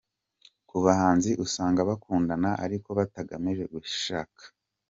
Ku bahanzi usanga bakundana ariko batagamije gushaka.